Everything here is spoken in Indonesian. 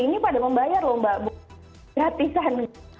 ini pada membayar loh mbak gratisan